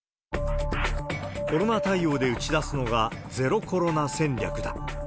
コロナ対応で打ち出すのが、ＺＥＲＯコロナ戦略だ。